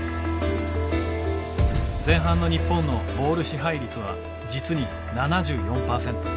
前半の日本のボール支配率は実に７４％。